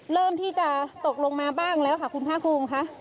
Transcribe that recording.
เริ่มที่จะตกลงมาบ้างแล้วค่ะคุณภาคภูมิค่ะ